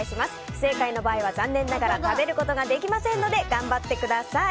不正解の場合は、残念ながら食べることができませんので頑張ってください。